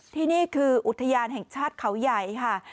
ที่นี่คืออุทยานแห่งชาติเขาใหญ่ค่ะ